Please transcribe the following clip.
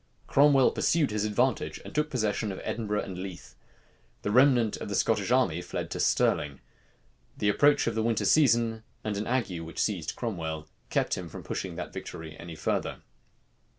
Cromwell pursued his advantage, and took possession of Edinburgh and Leith. The remnant of the Scottish army fled to Stirling. The approach of the winter season, and an ague which seized Cromwell, kept him from pushing the victory any further.